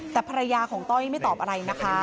แต่ภรรยาของต้อยไม่ตอบอะไรนะคะ